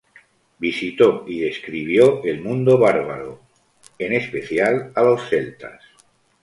Visitó y describió el mundo bárbaro, en especial a los celtas.